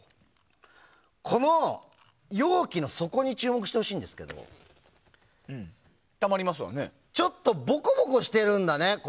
この容器の底に注目してほしいんですけどちょっとボコボコしてるんだね。